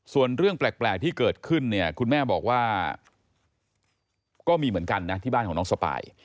ส่วนเรื่องแปลกที่เกิดขึ้นเนี่ยคุณแม่บอกว่าก็มีเหมือนกันนะที่บ้านของน้องสปาย